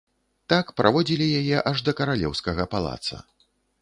Так праводзілі яе аж да каралеўскага палаца.